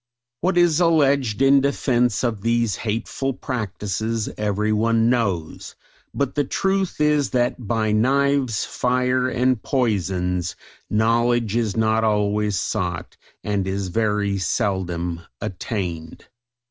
What is alleged in defence of these hateful practices everyone knows, but the truth is that by knives, fire, and poisons, knowledge is not always sought, and is very seldom attained.